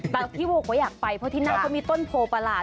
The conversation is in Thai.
แบบที่โหวคว่าอยากไปเพราะที่นั่งเขามีต้นโผล่ประหลาด